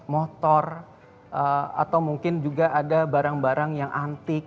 motor atau mungkin juga ada barang barang yang antik